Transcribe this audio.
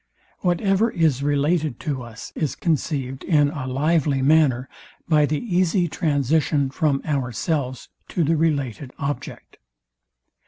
Whatever is related to us is conceived in a lively manner by the easy transition from ourselves to the related object.